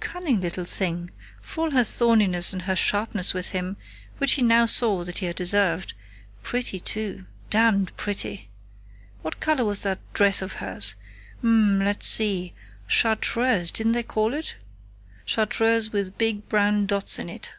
Cunning little thing, for all her thorniness and her sharpness with him, which he now saw that he had deserved.... Pretty, too.... Damned pretty!... What color was that dress of hers?... Ummm, let's see ... Chartreuse, didn't they call it? Chartreuse with big brown dots in it.